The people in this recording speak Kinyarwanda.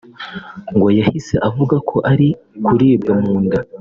ngo yahise avuga ko ari kuribwa mu nda